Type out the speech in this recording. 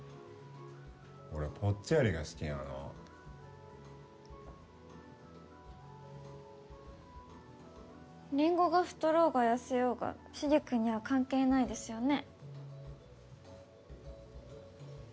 俺ぽっちゃりが好きなのりんごが太ろうが痩せようがしげ君には関係ないですよね？